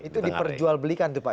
itu diperjual belikan